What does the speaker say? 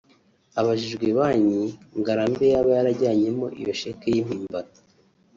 Abajijwe Banki Ngarambe yaba yarajyanyemo iyo sheki y’impimbano